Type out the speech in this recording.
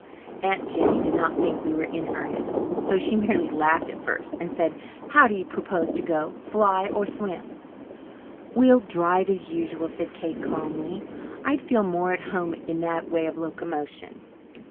Aunt Jennie did not think we were in earnest, so she merely laughed at first, and said, "How do you propose to go? Fly or swim?" "We'll drive, as usual," said Kate calmly. "I'd feel more at home in that way of locomotion.